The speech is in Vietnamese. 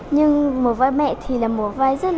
nhưng một vai mẹ thì là một vai rất là khó đối với con